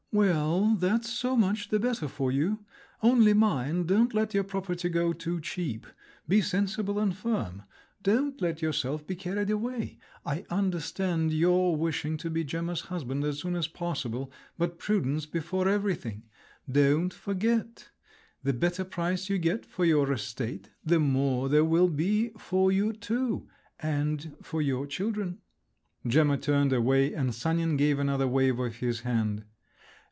Well, that's so much the better for you. Only mind, don't let your property go too cheap! Be sensible and firm. Don't let yourself be carried away! I understand your wishing to be Gemma's husband as soon as possible … but prudence before everything! Don't forget: the better price you get for your estate, the more there will be for you two, and for your children." Gemma turned away, and Sanin gave another wave of his hand.